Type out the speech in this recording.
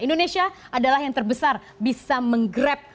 indonesia adalah yang terbesar bisa menggrab